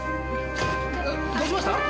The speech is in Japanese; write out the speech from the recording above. えっどうしました？